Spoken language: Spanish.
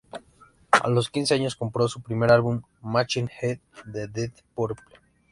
A los quince años compró su primer álbum, "Machine Head" de Deep Purple.